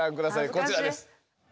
こちらです。